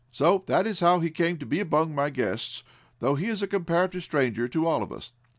So that is how he came to be among my guests, though he is a comparative stranger to all of us."